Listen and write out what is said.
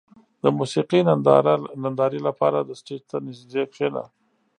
• د موسیقۍ نندارې لپاره د سټېج ته نږدې کښېنه.